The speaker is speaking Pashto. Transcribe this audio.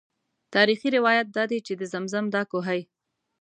تاریخي روایات دادي چې د زمزم دا کوهی.